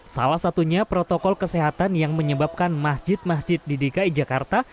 salah satunya protokol kesehatan yang menyebabkan masjid masjid di dki jakarta